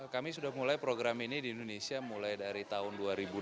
kami sudah mulai program ini di indonesia mulai dari tahun dua ribu lima belas